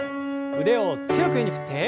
腕を強く上に振って。